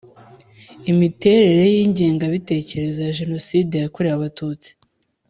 Imiterere y’ingengabitekerezo ya Jenoside yakorewe Abatutsi